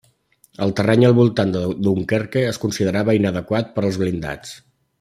El terreny al voltant de Dunkerque es considerava inadequat per als blindats.